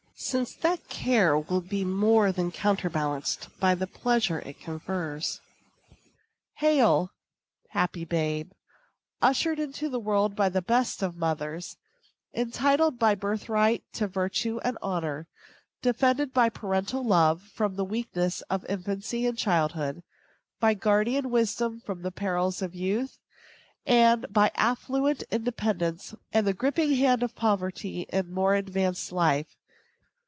since that care will be more than counterbalanced by the pleasure it confers. Hail, happy babe! ushered into the world by the best of mothers; entitled by birthright to virtue and honor; defended by parental love from the weakness of infancy and childhood, by guardian wisdom from the perils of youth, and by affluent independence from the griping hand of poverty in more advanced life!